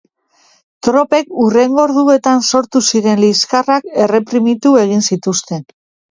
Tropek hurrengo orduetan sortu ziren liskarrak erreprimitu egin zituzten.